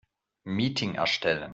Meeting erstellen.